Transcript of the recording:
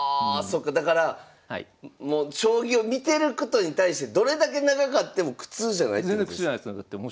そっかだから将棋を見てることに対してどれだけ長かっても苦痛じゃないってことですよね？